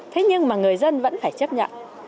thế nhưng mà người dân vẫn phải chấp nhận